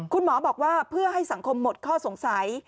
คุณหมอบอกว่าเพื่อให้สังคมหมดข้อสงสัย